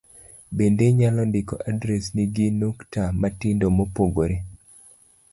Bende inyalo ndiko adresni gi nukta matindo mopogore